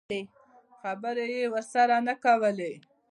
خبرې یې ورسره نه کولې.